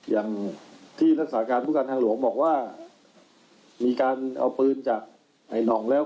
อย่างที่รักษาการผู้การทางหลวงบอกว่ามีการเอาปืนจากไอ้หน่องแล้ว